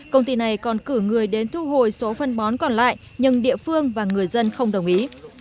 công ty này còn cử người đến thu hồi số phân bón còn lại nhưng địa phương và người dân không đồng ý